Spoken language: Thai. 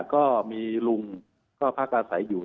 ก็มีลุงก็พักอาศัยอยู่